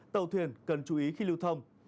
tàu thuyền cần chú ý khi lưu thông